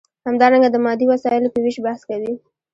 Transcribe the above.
همدارنګه د مادي وسایلو په ویش بحث کوي.